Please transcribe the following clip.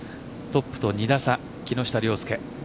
トップと２打差木下稜介。